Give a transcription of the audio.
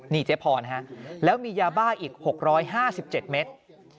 นี่เจ๊พรแล้วมียาบ้าอีก๖๕๗เมตร